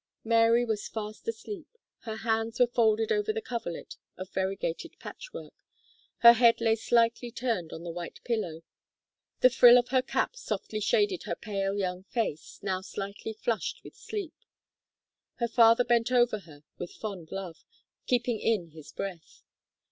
Mary was fast asleep; her hands were folded over the coverlet of variegated patchwork; her head lay slightly turned on the white pillow; the frill of her cap softly shaded her pale young face, now slightly flushed with sleep. Her father bent over her with fond love, keeping in his breath.